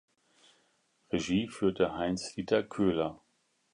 Regie führte Heinz Dieter Köhler.